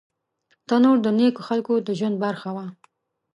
تنور د نیکو خلکو د ژوند برخه وه